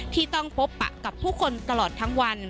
ที่ต้องพบปะกับผู้คนตลอดทั้งวัน